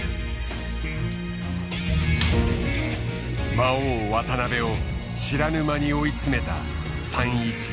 魔王渡辺を知らぬ間に追い詰めた３一銀。